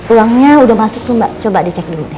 uangnya udah masuk tuh mbak coba dicek dulu deh